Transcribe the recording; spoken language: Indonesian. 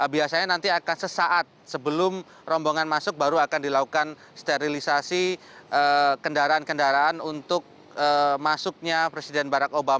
biasanya nanti akan sesaat sebelum rombongan masuk baru akan dilakukan sterilisasi kendaraan kendaraan untuk masuknya presiden barack obama